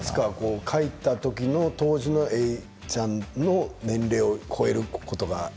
書いた当時の永ちゃんの年齢を超えることが。